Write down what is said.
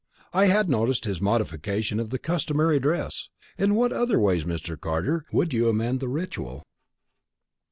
I had noticed his modification of the customary dress. In what other ways, Mr. Carter, would you amend the ritual?"